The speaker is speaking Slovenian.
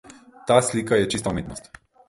Ta slika je čista umetnost.